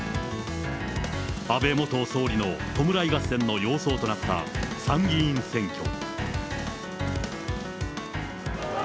安倍元総理の弔い合戦の様相となった参議院選挙。